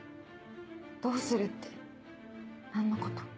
どうするって何のこと？